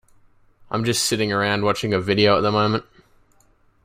I'm just sitting around watching a video at the moment.